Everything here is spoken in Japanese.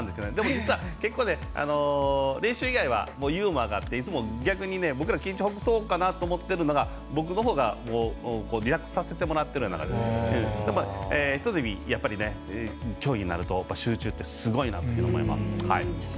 実は練習以外はユーモアがあっていつも逆に僕ら、緊張ほぐそうかなと思っているのが僕のほうがリラックスさせてもらってただひとたび、競技になると集中して、すごいなって思います。